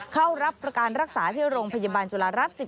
เข้ารับประการรักษาที่โรงพยาบาลจุฬารัฐ๑๑